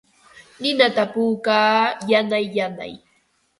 Ninata puukaa yanay yanay.